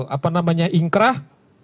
apa namanya ingkrah